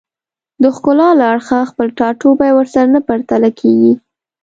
د ښکلا له اړخه خپل ټاټوبی ورسره نه پرتله کېږي